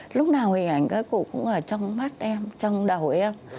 lúc nào hình ảnh các cụ cũng ở trong mắt em trong đầu em